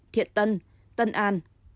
thiện tân tân an